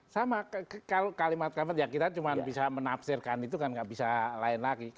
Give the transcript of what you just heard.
sama kalau kalimat kalimat ya kita cuma bisa menafsirkan itu kan nggak bisa lain lagi